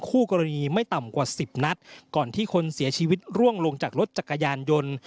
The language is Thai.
คู่กรณีไม่ต่ำกว่าสิบนัดก่อนที่คนเสียชีวิตร่วงลงจากรถจักรยานยนต์